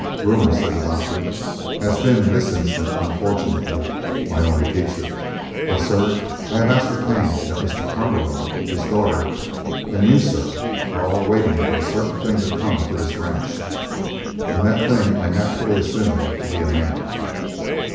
"Rumour," said the doctor, "has been in this instance, unfortunately, my only teacher. But, sir, I have ascertained that Mr. Cumberland, his daughter, and you, sir, are all waiting for a certain thing to come to this ranch, and that thing I naturally assume to be a man."